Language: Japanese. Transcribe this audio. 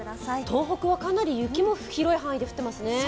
東北はかなり雪も広い範囲で降ってますね。